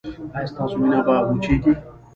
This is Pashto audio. ایا ستاسو وینه به وچیږي؟